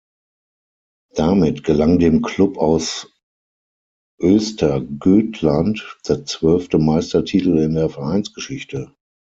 Damit gelang dem Klub aus Östergötland der zwölfte Meistertitel in der Vereinsgeschichte.